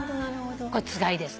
これつがいです。